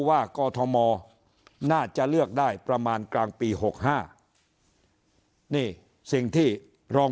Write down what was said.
ว่ากอทมน่าจะเลือกได้ประมาณกลางปี๖๕นี่สิ่งที่รอง